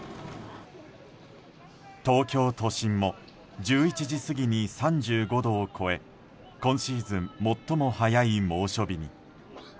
東京都心も１１時過ぎに３５度を超え今シーズン最も早い猛暑日に。